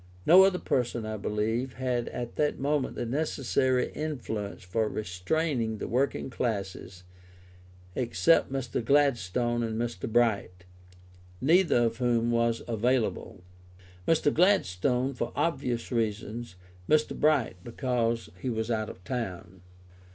No other person, I believe, had at that moment the necessary influence for restraining the working classes, except Mr. Gladstone and Mr. Bright, neither of whom was available: Mr. Gladstone, for obvious reasons; Mr. Bright because he was out of town.